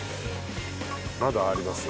まだあります？